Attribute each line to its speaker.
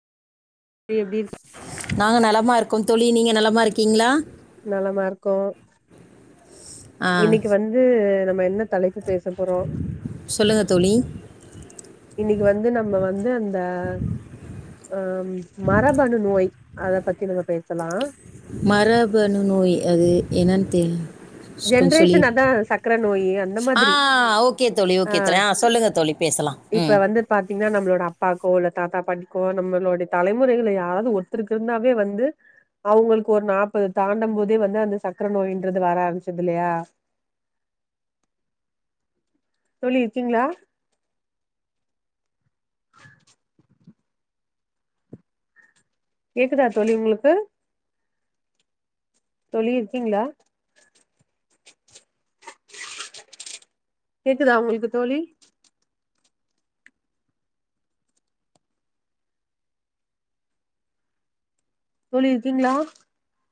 Speaker 1: நீ எப்டி இருக்
Speaker 2: நாங்க நலமா இருக்கோம் தோழி நீங்க நலமா இருக்கீங்களா?
Speaker 1: நலமா இருக்கோ
Speaker 2: ஆ
Speaker 1: இன்னைக்கு வந்து நம்ம என்ன தலைப்பு பேச போறோ
Speaker 2: சொல்லுங்கள் தோழி
Speaker 1: இன்னைக்கு வந்து நம்ம வந்து அந்த ஆ ம் மரபணு நோய் அத பத்தி நம்ம பேசலா
Speaker 2: மரபணு நோய் அது என்னன்னு தெரி கொஞ்ச சொல்லி
Speaker 1: ஜென்ரேஷன் அதா சக்கர நோயி அந்த
Speaker 2: ஆ
Speaker 1: மாதிரி
Speaker 2: ஓகே தோழி ஓகே தோழி ஆ சொல்லுங்க தோழி பேசலா
Speaker 1: இப்ப வந்து பாத்தீங்கன்னா நம்மளோட அப்பாக்கோ இல்ல தாத்தா பாட்டிக்கோ நம்மளோடைய தலைமுறைகளை யாராவது ஒருத்தருக்கு இருந்தாவே வந்து அவங்களுக்கு ஒரு நாப்பத தாண்டம் போதே வந்து அந்த சக்கர நோய்ன்றது வர ஆரம்பிச்சது இல்லையா தோழி இருக்கீங்களா? [inaudible] கேக்குதா தோழி உங்குளுக்கு? தோழி இருக்கீங்களா? கேக்குதா உங்களுக்கு தோழி? தோழி இருக்கீங்களா?